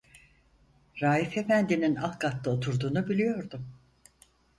Raif efendinin alt katta oturduğunu biliyordum.